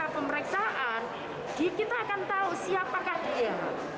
dengan cara pemeriksaan kita akan tahu siapakah dia